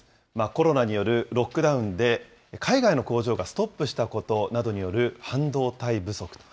コロナによるロックダウンで、海外の工場がストップしたことなどによる半導体不足と。